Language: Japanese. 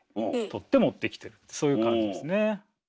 取って持ってきてるってそういう感じですね。